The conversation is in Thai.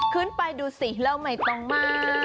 ขึ้นไปดูสิแล้วไม่ต้องมาก